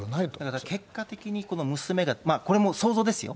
だから結果的にこの娘が、これも想像ですよ。